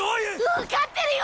分かってるよ！